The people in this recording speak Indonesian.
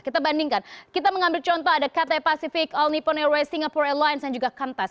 kita bandingkan kita mengambil contoh ada kta pacific all nippon airways singapore airlines dan juga kantas